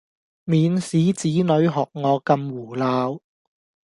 免使子女學我咁胡鬧